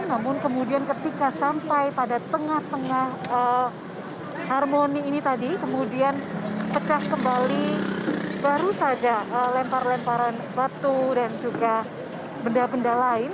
namun kemudian ketika sampai pada tengah tengah harmoni ini tadi kemudian pecah kembali baru saja lempar lemparan batu dan juga benda benda lain